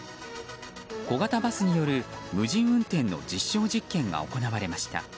小型バスによる無人運転の実証実験が行われました。